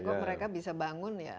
kok mereka bisa bangun ya